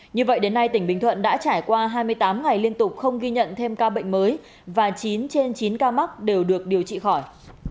như vậy đến nay tỉnh bình thuận đã trải qua hai mươi tám ngày liên tục không ghi nhận thêm ca bệnh mới và chín trên chín ca mắc đều được điều trị khỏi